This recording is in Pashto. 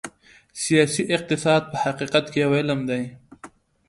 سیاسي اقتصاد په حقیقت کې یو علم دی.